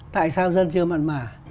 tại sao dân chưa mặt mả